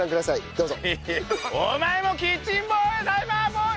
どうぞ。